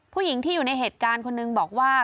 ผู้หญิงที่อยู่ในเหตุการณ์คนหนึ่งบอกว่า